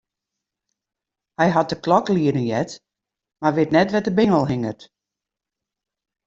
Hy hat de klok lieden heard, mar wit net wêr't de bingel hinget.